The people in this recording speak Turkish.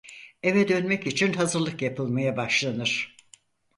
Eve dönmek için hazırlık yapılmaya başlanır.